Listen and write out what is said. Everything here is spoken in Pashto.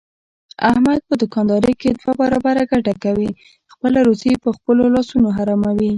احمد په دوکاندارۍ کې دوه برابره ګټه کوي، خپله روزي په خپلو لاسونو حراموي.